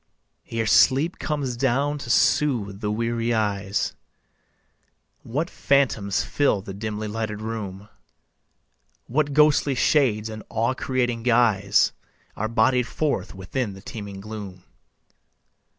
Ere sleep comes down to soothe the weary eyes, What phantoms fill the dimly lighted room; What ghostly shades in awe creating guise Are bodied forth within the teeming gloom.